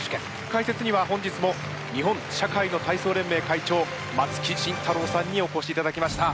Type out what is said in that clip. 解説には本日も日本社会の体操連盟会長松木慎太郎さんにおこしいただきました。